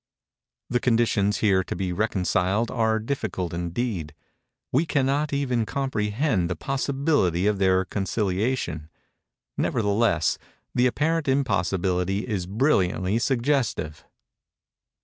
—The conditions here to be reconciled are difficult indeed:—we cannot even comprehend the possibility of their conciliation;—nevertheless, the apparent impossibility is brilliantly suggestive.